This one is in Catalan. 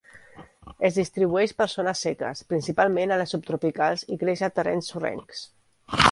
Es distribueix per zones seques, principalment a les subtropicals i creix a terrenys sorrencs.